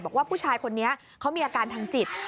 บอกว่าผู้ชายคนนี้เขามีอาการทางจิต